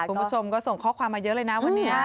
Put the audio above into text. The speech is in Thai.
คุณผู้ชมก็ส่งข้อความมาเยอะเลยนะวันนี้